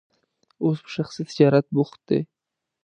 اوس په شخصي تجارت بوخت دی.